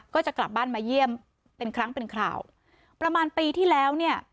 ก็จะกลับบ้านมาเยี่ยมเป็นครั้งเป็นข่าวประมาณปีที่แล้วเนี่ย